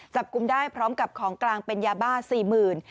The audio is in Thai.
จับกลุ่มได้พร้อมกับของกลางเป็นยาบ้า๔๐๐๐บาท